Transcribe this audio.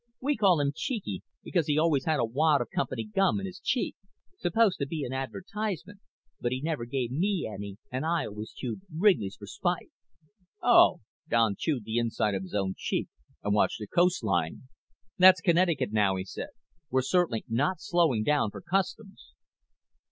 We call him Cheeky because he always had a wad of company gum in his cheek. Supposed to be an advertisement. But he never gave me any and I always chewed Wrigley's for spite." "Oh." Don chewed the inside of his own cheek and watched the coastline. "That's Connecticut now," he said. "We're certainly not slowing down for customs."